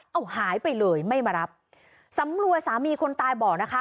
เอาหายไปเลยไม่มารับสำรวยสามีคนตายบอกนะคะ